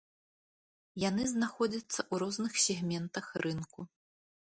Яны знаходзяцца ў розных сегментах рынку.